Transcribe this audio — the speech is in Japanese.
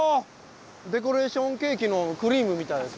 デコレーションケーキのクリームみたいですよね。